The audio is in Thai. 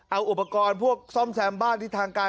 เอาอุปกรณ์พวกซ่อมแซมบ้านที่ทางการ